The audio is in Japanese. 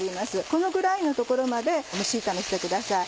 このぐらいのところまで蒸し炒めしてください。